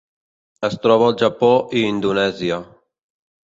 Es troba al Japó i Indonèsia.